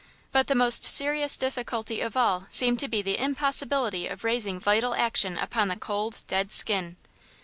But the most serious difficulty of all seemed to be the impossibility of raising vital action upon the cold, dead skin.